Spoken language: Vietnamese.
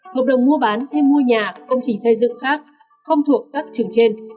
hợp đồng mua bán thêm mua nhà công trình xây dựng khác không thuộc các trường trên